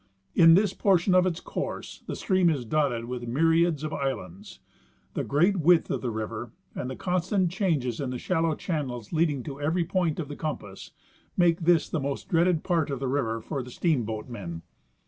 In this portion of its course the stream is dotted with myriads of islands The great width of the river and the constant changes in the shallow channels leading to every point of the compass make this the most dreaded part of the river for the steamboat men.